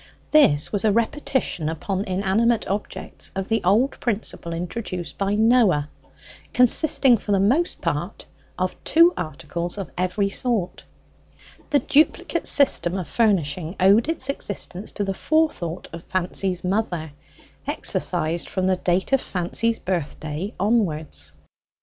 This was a repetition upon inanimate objects of the old principle introduced by Noah, consisting for the most part of two articles of every sort. The duplicate system of furnishing owed its existence to the forethought of Fancy's mother, exercised from the date of Fancy's birthday onwards.